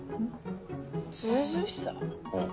うん。